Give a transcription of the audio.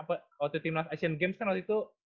waktu timnas asian games kan waktu itu